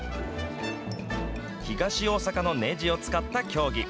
東大阪のねじを使った競技。